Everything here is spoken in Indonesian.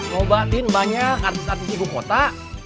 ngobatin banyak artis artis ibu kota